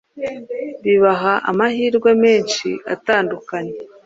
bibaha amahirwe menshi.atandukanye